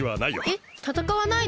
えったたかわないの？